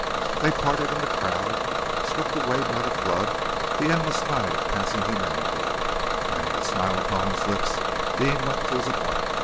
They parted in the crowd, swept away by the flood, the endless tide of passing humanity, and with a smile upon his lips Deane went to his appointment.